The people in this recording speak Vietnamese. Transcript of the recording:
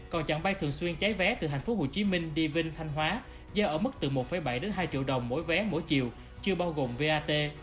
còn chặng bay thường xuyên cháy vé từ tp hcm đi vinh thanh hóa giá ở mức từ một bảy hai triệu đồng mỗi vé mỗi chiều chưa bao gồm vat